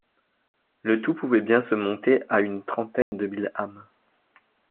Le tout pouvait bien se monter à une trentaine de mille âmes.